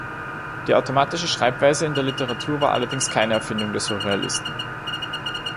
Die automatische Schreibweise in der Literatur war allerdings keine Erfindung der Surrealisten.